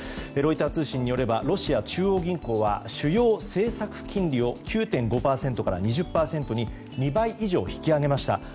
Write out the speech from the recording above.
ロイター通信によればロシア中央銀行は主要政策金利を９．５％から２０％に２倍以上に引き上げました。